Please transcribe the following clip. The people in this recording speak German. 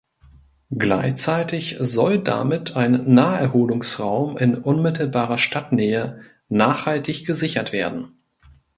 Gleichzeitig soll damit ein Naherholungsraum in unmittelbarer Stadtnähe nachhaltig gesichert werden.